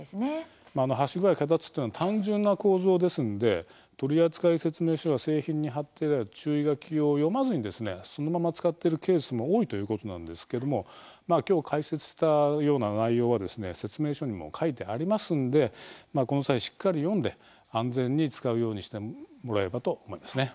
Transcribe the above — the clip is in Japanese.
はしごや脚立というのは単純な構造ですので取扱説明書や製品に貼ってある注意書きを読まずにそのまま使ってるケースも多いということなんですけれども今日、解説したような内容は説明書にも書いてありますのでこの際しっかり読んで安全に使うようにしてもらえればと思います。